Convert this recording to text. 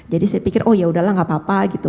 jadi saya pikir oh ya udah lah enggak apa apa gitu